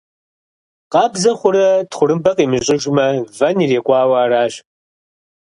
Къабзэ хъурэ тхъурымбэ къимыщӀыжмэ, вэн ирикъуауэ аращ.